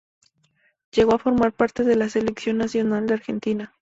Llegó a formar parte de la selección nacional de Argentina.